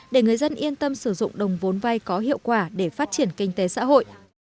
để người dân yên tâm sử dụng đồng vốn vay có hiệu quả để phát triển kinh tế xã hội